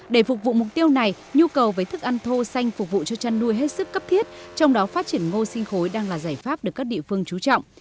để phục vụ mục tiêu này nhu cầu với thức ăn thô xanh phục vụ cho chăn nuôi hết sức cấp thiết trong đó phát triển ngô sinh khối đang là giải pháp được các địa phương trú trọng